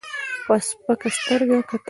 په سپکه سترګه کتل.